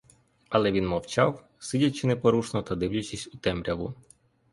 Але він мовчав, сидячи непорушно та дивлячись у темряву.